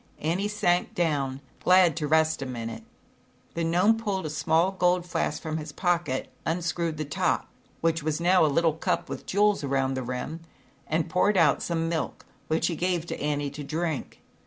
Annie sank down glad to rest a minute. The Gnome pulled a small gold flask from his pocket, unscrewed the top, which was now a little cup with jewels around the rim, and poured out some milk, which he gave Annie to drink.